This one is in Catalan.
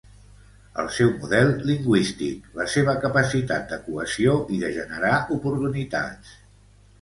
El seu model lingüístic, la seva capacitat de cohesió i de generar oportunitats.